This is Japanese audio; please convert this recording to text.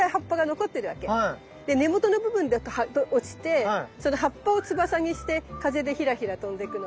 で根元の部分だけ葉が落ちてその葉っぱを翼にして風でヒラヒラ飛んでくの。